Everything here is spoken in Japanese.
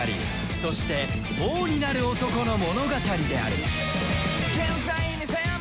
そして王になる男の物語である